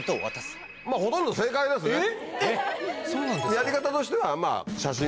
やり方としては。